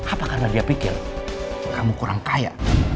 apa karena dia pikir kamu kurang kaya